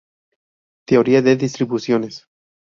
Teoría de distribuciones